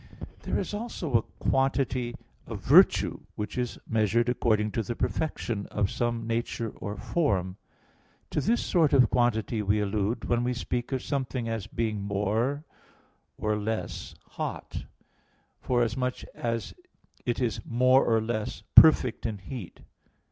There is also quantity of "virtue," which is measured according to the perfection of some nature or form: to this sort of quantity we allude when we speak of something as being more, or less, hot; forasmuch as it is more or less, perfect in heat.